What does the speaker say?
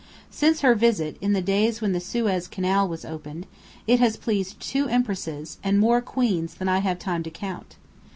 Since her visit, in the days when the Suez Canal was opened, it has pleased two empresses, and more queens than I have time to count.